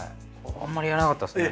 あまりやらなかったですね。